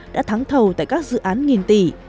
đã thắng thầu tại các dự án nghìn tỷ